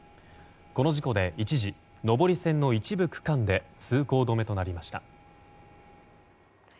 この事故で一時上り線の一部区間で通行止めとなりました。